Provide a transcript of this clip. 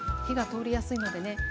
火が通りやすいのでね